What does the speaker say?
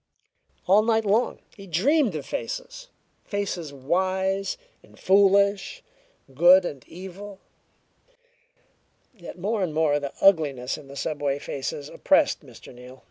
All night long he dreamed of faces faces wise and foolish, good and evil. Yet more and more the ugliness in the subway faces oppressed Mr. Neal.